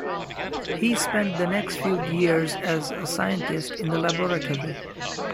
He spent the next few years as a scientist in the laboratory.